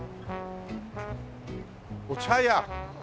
お茶屋！